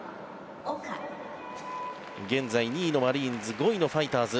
現在２位のマリーンズ５位のファイターズ。